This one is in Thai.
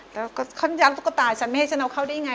แล้วก็จะเย้าทุกก็ตายฉันไม่ให้ฉันเอาเข้าได้ยังไง